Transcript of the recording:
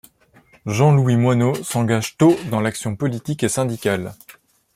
Jean-Louis Moynot s'engage tôt dans l'action politique et syndicale.